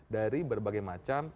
dari berbagai macam